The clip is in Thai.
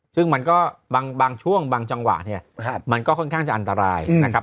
ซึ่งมันก็บางช่วงบางจังหวะเนี่ยมันก็ค่อนข้างจะอันตรายนะครับ